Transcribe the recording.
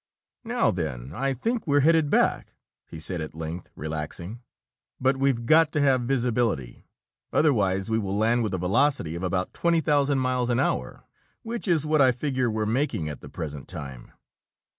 "Now then, I think we're headed back," he said at length, relaxing. "But we've got to have visibility, otherwise we will land with a velocity of about twenty thousand miles an hour, which is what I figure we're making at the present time."